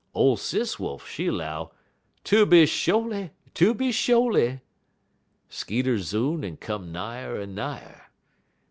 Ole Sis Wolf, she 'low 'Tooby sho'ly, tooby sho'ly!' (_Skeeter zoon en come nigher en nigher.